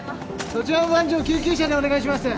そちらの男児を救急車でお願いします。